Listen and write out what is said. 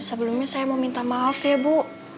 sebelumnya saya mau minta maaf ya bu